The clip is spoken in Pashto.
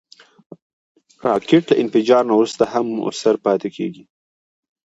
راکټ له انفجار نه وروسته هم مؤثر پاتې کېږي